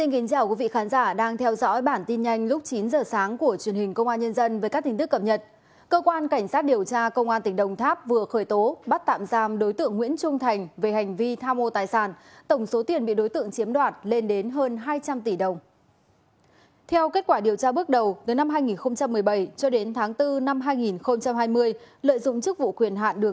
hãy đăng ký kênh để ủng hộ kênh của chúng mình nhé